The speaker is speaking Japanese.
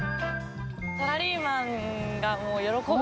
サラリーマンがもう喜ぶ。